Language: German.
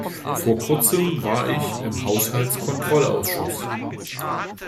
Vor kurzem war ich im Haushaltskontrollausschuss.